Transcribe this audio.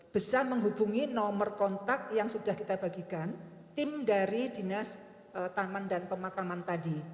bisa menghubungi nomor kontak yang sudah kita bagikan tim dari dinas taman dan pemakaman tadi